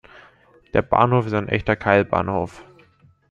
Der Bahnhof ist ein echter Keilbahnhof.